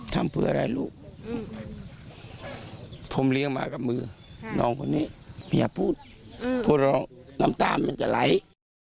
ทำเพื่ออะไรลูกผมเลี้ยงมากับมือน้องคนนี้ไม่อยากพูดพูดร้องน้ำตาลมันจะไหล